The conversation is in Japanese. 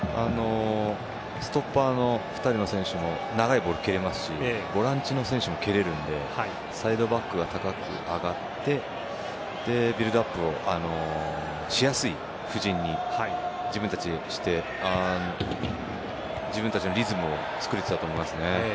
ストッパーの２人の選手も長いボール、蹴れますしボランチの選手も蹴れるのでサイドバックが高く上がってビルドアップをしやすい布陣に自分たちでして自分たちのリズムをつくれたと思います。